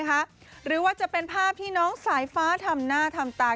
หรือว่าจะเป็นภาพที่น้องสายฟ้าทำหน้าทำตา